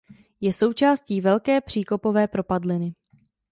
Je součástí Velké příkopové propadliny.